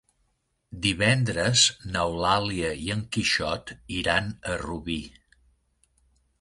Divendres n'Eulàlia i en Quixot iran a Rubí.